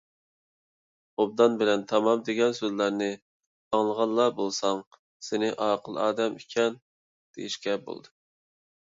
«ئوبدان» بىلەن «تامام» دېگەن سۆزلەرنى ئاڭلىغانلا بولساڭ، سېنى ئاقىل ئادەم ئىكەن دېيىشكە بولىدۇ.